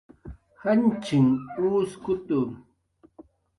janchinh uskutu